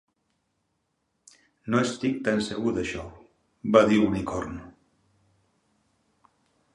"No estic tan segur d'això", va dir l'unicorn.